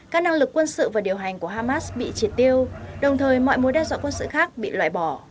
các năng lực quân sự và điều hành của hamas bị triệt tiêu đồng thời mọi mối đe dọa quân sự khác bị loại bỏ